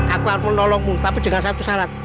aku harus menolongmu tapi dengan satu syarat